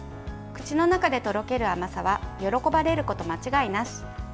口の中でとろける甘さは喜ばれること間違いなし。